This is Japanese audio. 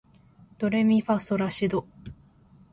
ドレミファソラシド